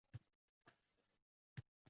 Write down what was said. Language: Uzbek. Choy paketchalarini kim o’ylab topdi?